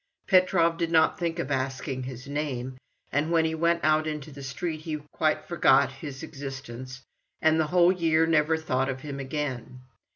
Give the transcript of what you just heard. Petrov did not think of asking his name, and when he went out into the street he quite forgot his existence, and the whole year never thought of him again.